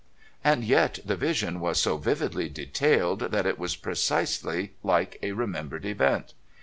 And yet the vision was so vividly detailed that it was precisely like a remembered event.